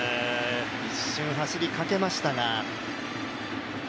一瞬走りかけましたが。